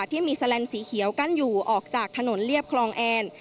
ที่มีแลนสีเขียวกั้นอยู่ออกจากถนนเรียบคลองแอน